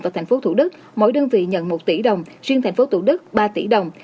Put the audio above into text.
và tp thủ đức mỗi đơn vị nhận một tỷ đồng riêng thành phố thủ đức ba tỷ đồng